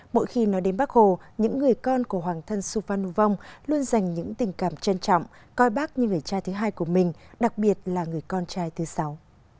mỗi khi nói đến bác hồ những người con của hoàng thân su phan nu vong luôn dành những tình cảm trân trọng coi bác như người trai thứ hai của mình đặc biệt là người con trai thứ sáu